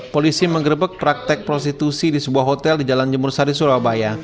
polisi menggerebek praktek prostitusi di sebuah hotel di jalan jemur sari surabaya